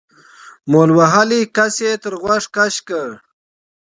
مول وهلي کس يې تر غوږ کش کړ.